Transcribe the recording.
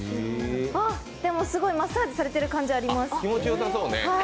でも、すごいマッサージされてる感じがあります。